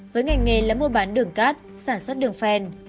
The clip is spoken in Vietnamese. với ngành nghề là mua bán đường cát sản xuất đường phèn